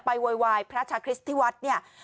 โวยวายพระชาคริสต์ที่วัดเนี่ย